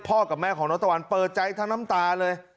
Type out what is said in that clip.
กับแม่ของน้องตะวันเปิดใจทั้งน้ำตาเลย